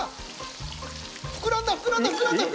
膨らんだ膨らんだ膨らんだ！